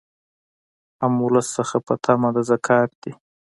هم ولس څخه په طمع د زکات دي